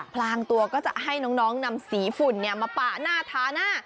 พลางตัวก็จะให้น้องนำสีฝุ่นมาปะหน้าทาหน้า